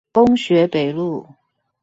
工學北路